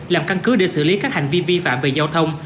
làm căn cứ để xử lý các hành vi vi phạm về giao thông